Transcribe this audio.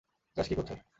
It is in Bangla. আকাশ, কি করছ?